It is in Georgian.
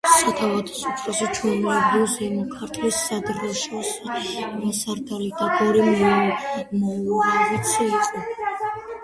სათავადოს უფროსი, ჩვეულებრივ, ზემო ქართლის სადროშოს სარდალი და გორი მოურავიც იყო.